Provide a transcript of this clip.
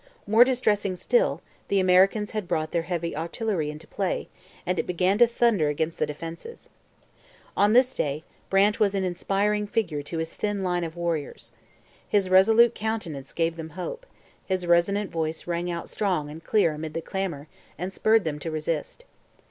More distressing still, the Americans had brought their heavy artillery into play, and it began to thunder against the defences. On this day Brant was an inspiring figure to his thin line of warriors. His resolute countenance gave them hope; his resonant voice rang out strong and clear amid the clamour and spurred them to resist.